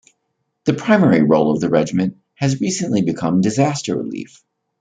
The primary role of the Regiment has recently become disaster relief.